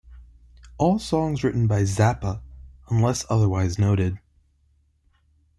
All songs written by Zappa unless otherwise noted.